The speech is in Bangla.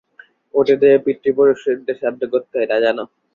ওতে যে পিতৃপুরুষদের শ্রাদ্ধ করতে হয়, তা জান?